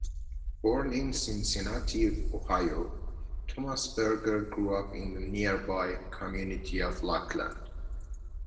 Born in Cincinnati, Ohio, Thomas Berger grew up in the nearby community of Lockland.